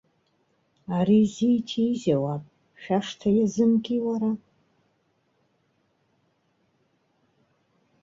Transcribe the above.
Ари зиҭизеи уаб, шәашҭа иазымки уара?